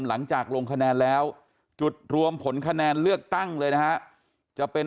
หลังจากลงคะแนนแล้วจุดรวมผลคะแนนเลือกตั้งเลยนะฮะจะเป็น